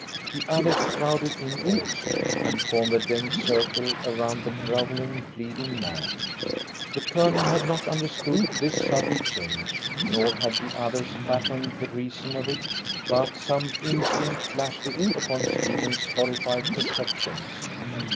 The others crowded in also, and formed a dense circle around the grovelling, pleading man. The Colonel had not understood this sudden change, nor had the others fathomed the reason of it, but some instinct flashed it upon Stephens's horrified perceptions.